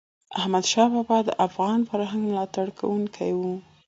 احمدشاه بابا د افغان فرهنګ ملاتړ کوونکی و.